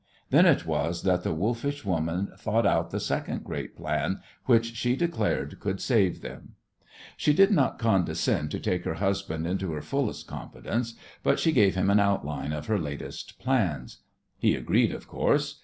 Then it was that the wolfish woman thought out the second great plan which she declared could save them. She did not condescend to take her husband into her fullest confidence, but she gave him an outline of her latest plans. He agreed, of course.